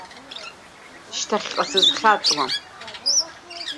Шьҭахьҟа сызхьаҵуам.